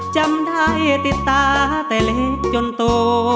จำได้ติดตาแต่เล็กจนโต